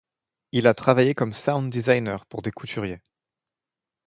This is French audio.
Il a travaillé comme sound designer pour des couturiers.